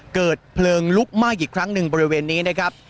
เกิดเพลิงลุกไหม้อีกครั้งหนึ่งบริเวณนี้นะครับ